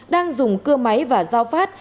đang dùng cơ máy và giao phát